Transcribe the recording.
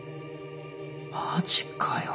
マジかよ